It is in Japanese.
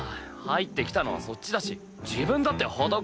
入ってきたのはそっちだし自分だって裸だ。